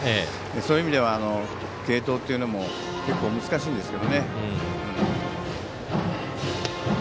そういう意味では継投というのも結構難しいんですけどね。